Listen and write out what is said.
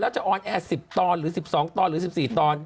จะออนแอร์๑๐ตอนหรือ๑๒ตอนหรือ๑๔ตอน